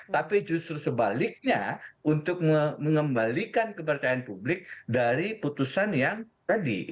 tapi justru sebaliknya untuk mengembalikan kepercayaan publik dari putusan yang tadi